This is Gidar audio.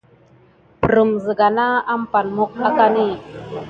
Prəŋ ziga mimakia tät van na paturu singa tákà aɗakiɗa.